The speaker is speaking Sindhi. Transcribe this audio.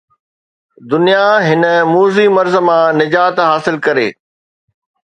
دنيا هن موذي مرض مان نجات حاصل ڪري.